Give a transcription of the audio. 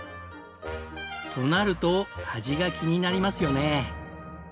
となると味が気になりますよね。